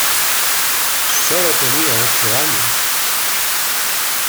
Sólo tenía ocho años.